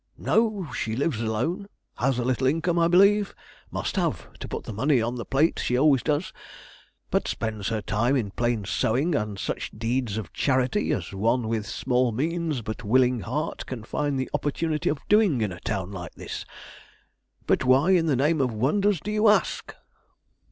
"No; lives alone, has a little income, I believe; must have, to put the money on the plate she always does; but spends her time in plain sewing and such deeds of charity, as one with small means but willing heart can find the opportunity of doing in a town like this. But why in the name of wonders do you ask?"